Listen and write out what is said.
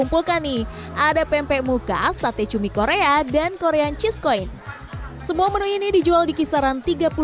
suka nih ada pempek muka sate cumi korea dan korean cheese koin semua menu ini dijual di kisaran